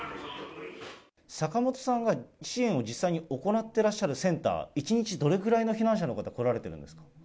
坂本さんが支援を実際に行ってらっしゃるセンター、一日どれぐらいの避難者の方、来られてるんですか。